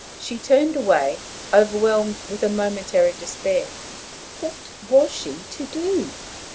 She turned away, overwhelmed with a momentary despair. What was she to do?